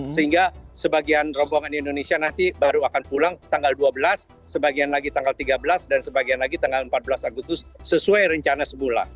sehingga sebagian rombongan di indonesia nanti baru akan pulang tanggal dua belas sebagian lagi tanggal tiga belas dan sebagian lagi tanggal empat belas agustus sesuai rencana sebulan